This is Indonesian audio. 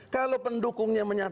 kalau pendukungnya menyatukan